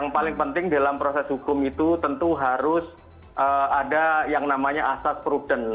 yang paling penting dalam proses hukum itu tentu harus ada yang namanya asas prudent